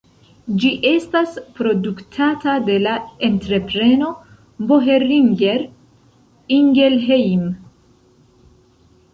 Ĝi estas produktata de la entrepreno Boehringer-Ingelheim.